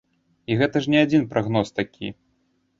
І гэта ж не адзін прагноз такі!